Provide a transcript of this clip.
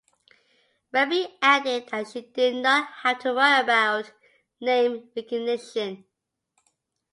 Rebbie added that she did not have to worry about "name recognition".